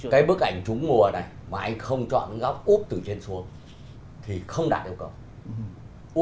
cái bức ảnh trúng mùa này mà anh không chọn góc cuốc từ trên xuống thì không đạt yêu cầu